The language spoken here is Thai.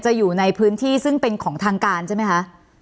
อยู่ในพื้นที่ซึ่งเป็นของทางการใช่ไหมคะ